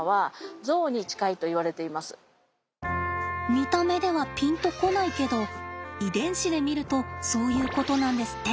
見た目ではピンと来ないけど遺伝子で見るとそういうことなんですって。